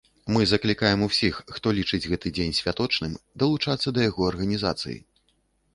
Мы заклікаем усіх, хто лічыць гэты дзень святочным, далучацца да яго арганізацыі.